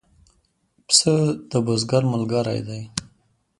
پسه د بزګر ملګری دی.